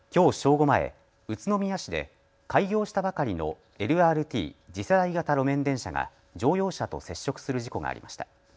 午前、宇都宮市で開業したばかりのＬＲＴ・次世代型路面電車が乗用車と接触する事故がありました。